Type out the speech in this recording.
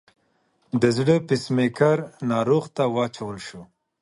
د زړه پیس میکر ناروغ ته واچول شو.